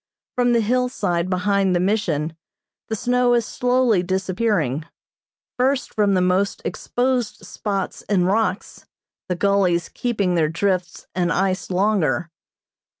From the hillside behind the Mission, the snow is slowly disappearing, first from the most exposed spots and rocks, the gullies keeping their drifts and ice longer.